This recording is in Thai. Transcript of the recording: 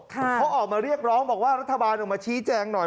เขาออกมาเรียกร้องบอกว่ารัฐบาลออกมาชี้แจงหน่อย